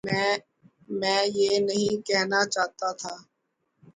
میں یہ نہیں کہنا چاہتا تھا۔